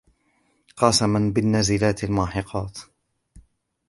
قسما بالنازلات الماحقات